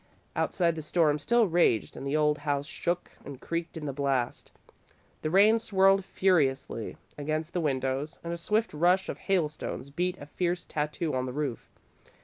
Outside, the storm still raged and the old house shook and creaked in the blast. The rain swirled furiously against the windows, and a swift rush of hailstones beat a fierce tattoo on the roof.